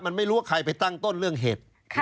มันไม่รู้ว่าใครไปตั้งต้นเรื่องเห็ด